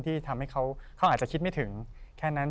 ที่ทำให้เขาอาจจะคิดไม่ถึงแค่นั้น